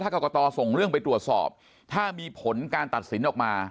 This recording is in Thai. กรกตส่งเรื่องไปตรวจสอบถ้ามีผลการตัดสินออกมา